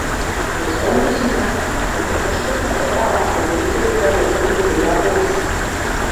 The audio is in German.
Mit ähnlichen Maßnahmen unterstützte er auch bedürftige Personen in Belarus.